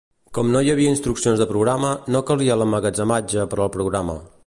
Com no hi havia instruccions de programa, no calia l'emmagatzematge per al programa.